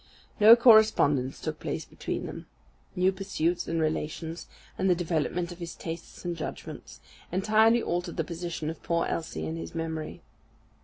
No correspondence took place between them. New pursuits and relations, and the development of his tastes and judgments, entirely altered the position of poor Elsie in his memory.